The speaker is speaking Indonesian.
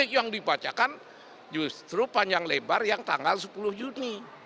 yang dibacakan justru panjang lebar yang tanggal sepuluh juni